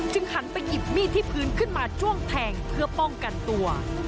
หันไปหยิบมีดที่พื้นขึ้นมาจ้วงแทงเพื่อป้องกันตัว